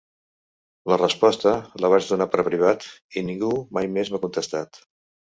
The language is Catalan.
La resposta la vaig donar per privat i ningú mai més m’ha contestat.